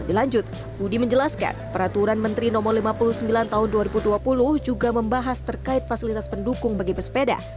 dilanjut budi menjelaskan peraturan menteri no lima puluh sembilan tahun dua ribu dua puluh juga membahas terkait fasilitas pendukung bagi pesepeda